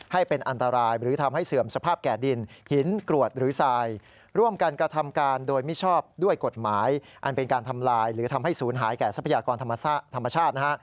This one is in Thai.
หรือทำให้ศูนย์หายแก่ทรัพยากรธรรมชาติ